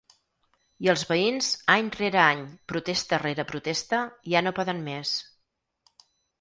I els veïns, any rere any, protesta rere protesta, ja no poden més.